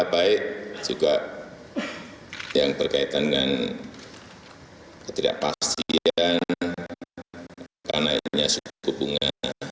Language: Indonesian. baik juga yang berkaitan dengan ketidakpastian karena ini suku bunga